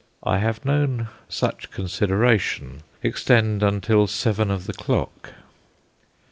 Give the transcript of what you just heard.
I have known such consideration extend until seven of the clock.